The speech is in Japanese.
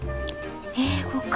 英語か。